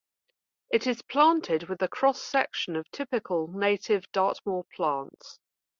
It is planted with a cross-section of typical native Dartmoor plants.